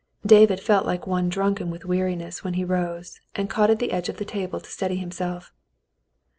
David felt like one drunken with weari ness when he rose, and caught at the edge of the table to steady himself.